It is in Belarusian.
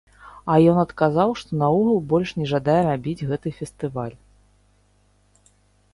А ён адказаў, што наогул больш не жадае рабіць гэты фестываль.